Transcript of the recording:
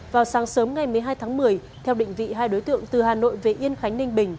vào sáng sớm ngày một mươi hai tháng một mươi theo định vị hai đối tượng từ hà nội về yên khánh ninh bình